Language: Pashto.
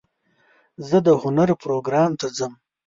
زه د هنر پروګرام ته ځم.